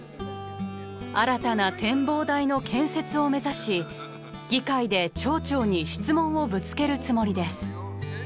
新たな展望台の建設を目指し議会で町長に質問をぶつけるつもりです。